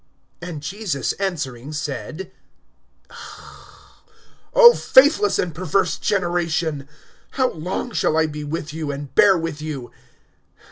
(41)And Jesus answering said: O faithless and perverse generation, how long shall I be with you, and bear with you?